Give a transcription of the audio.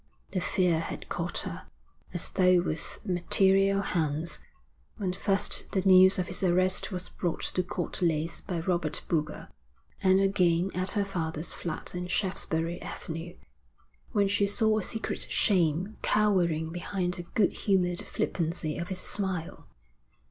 The fear had caught her, as though with material hands, when first the news of his arrest was brought to Court Leys by Robert Boulger, and again at her father's flat in Shaftesbury Avenue, when she saw a secret shame cowering behind the good humoured flippancy of his smile.